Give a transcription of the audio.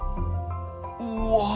うわ！